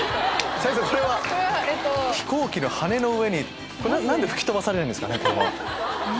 これは飛行機の羽の上に⁉何で吹き飛ばされないんですかね？